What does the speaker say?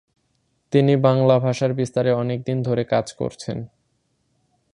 তিনি বাংলা ভাষার বিস্তারে অনেক দিন ধরে কাজ করছেন।